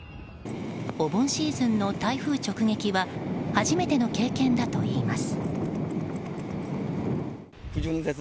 お盆シーズンの台風直撃は初めての経験だといいます。